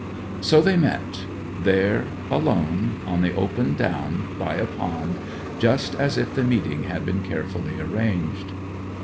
So they met there, alone, on the open down by a pond, just as if the meeting had been carefully arranged.